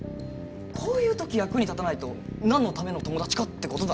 こういう時役に立たないとなんのための友達かって事だろ。